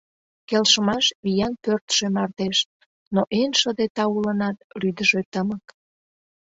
Келшымаш — виян пӧрдшӧ мардеж, но эн шыде таулынат рӱдыжӧ тымык.